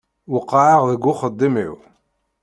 Weqɛeɣ deg uxeddim-iw.